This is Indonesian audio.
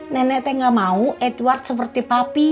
nenek teh gak mau edward seperti papi